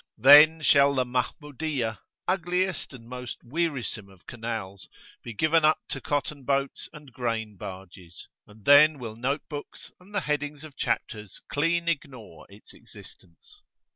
Then shall the Mahmudiyah ugliest and most wearisome of canals be given up to cotton boats and grain barges, and then will note books and the headings of chapters clean ignore its existence.